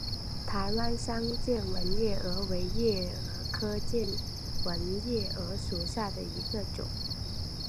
台湾桑剑纹夜蛾为夜蛾科剑纹夜蛾属下的一个种。